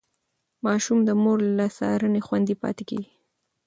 ماشوم د مور له څارنې خوندي پاتې کېږي.